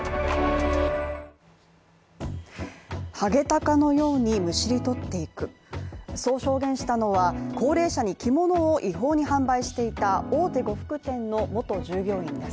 ハゲタカのようにむしり取っていく、そう証言したのは高齢者に着物を違法に販売していた大手呉服店の元従業員です